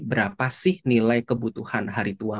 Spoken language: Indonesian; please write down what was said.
berapa sih nilai kebutuhan hari tua